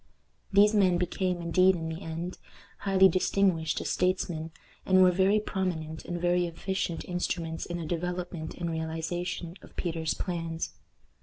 These men became, indeed, in the end, highly distinguished as statesmen, and were very prominent and very efficient instruments in the development and realization of Peter's plans.